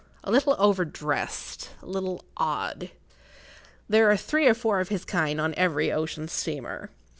A little over dressed—a little odd. There are three or four of his kind on every ocean steamer.